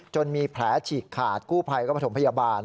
จนมีแผลฉีกขาดกู้ไพก็มาถมพยาบาล